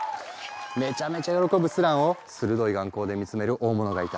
めちゃめちゃ喜ぶスランを鋭い眼光で見つめる大物がいた。